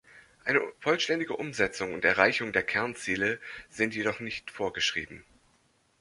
Eine vollständige Umsetzung und Erreichung der Kernziele sind jedoch nicht vorgeschrieben.